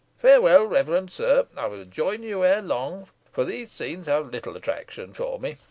Farewell, reverend sir. I will join you ere long, for these scenes have little attraction for me.